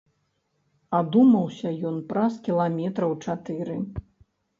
Адумаўся ён праз кіламетраў чатыры.